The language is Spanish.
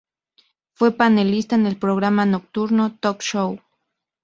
Fue panelista en el programa nocturno Toc Show.